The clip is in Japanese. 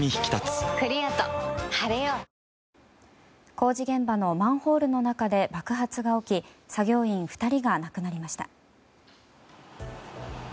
工事現場のマンホールの中で爆破が起き作業員２人が亡くなりました。